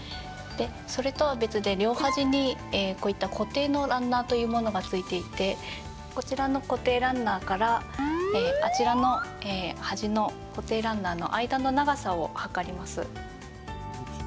それとは別で両端にこういった固定のランナーというものがついていてこちらの固定ランナーからあちらの端の固定ランナーの間の長さを測ります。